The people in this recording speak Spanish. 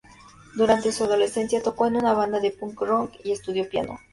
Durante su adolescencia tocó en una banda de "punk rock" y estudió piano.